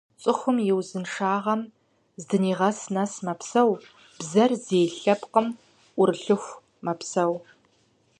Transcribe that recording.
Цӏыхур и узыншагъэм здихьым нэс мэпсэу, бзэр зей лъэпкъым ӏурылъыху мэпсэу.